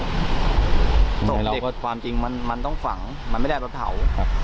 ส่งเด็กความจริงมันต้องฝังมันไม่ได้เราเผา